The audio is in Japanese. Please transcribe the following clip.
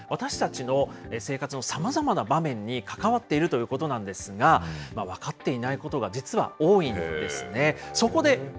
この摩擦なんですけど、私たちの生活のさまざまな場面に関わっているということなんですが、分かっていないことが実は多いんですね。